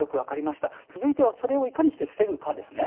続いてはそれをいかにして防ぐかですね。